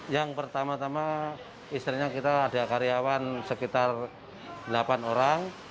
yang pertama tama istilahnya kita ada karyawan sekitar delapan orang